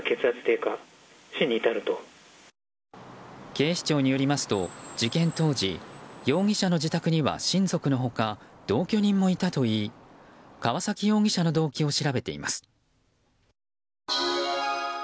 警視庁によりますと事件当時、容疑者の自宅には親族の他、同居人もいたといい川崎容疑者の動機を調べています。